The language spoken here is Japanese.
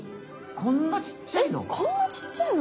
こんなちっちゃいの？